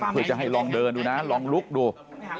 เพื่อจะให้ลองเดินดูนะลองลุกดู